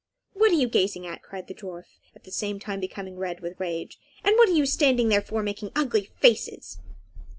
"What are you gazing at?" cried the dwarf, at the same time becoming red with rage; "and what are you standing there for, making ugly faces?"